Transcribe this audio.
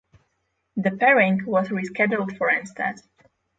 The pairing was rescheduled for instead.